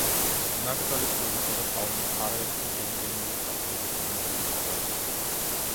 ნაკრძალი ფლორისა და ფაუნის არაერთი ენდემური სახეობის ნამდვილი საგანძურია.